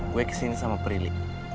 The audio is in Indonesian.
gue kesini sama prihli